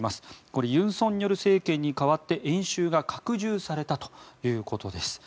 これ、尹錫悦政権に代わって演習が拡充されたということです。